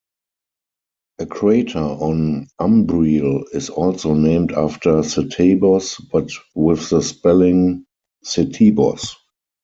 A crater on Umbriel is also named after Setebos, but with the spelling Setibos.